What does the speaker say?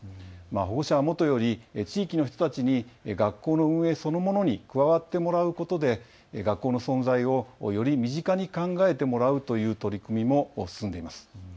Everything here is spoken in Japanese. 保護者はもとより地域の人たちに学校の運営そのものに加わってもらうことで学校の存在をより身近に考えてもらうという取り組みも進んでいます。